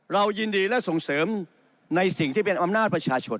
เรายินดีและส่งเสริมในสิ่งที่เป็นอำนาจประชาชน